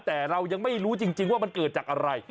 แต่เรายังไม่รู้จริงว่ามันเกิดจากอะไร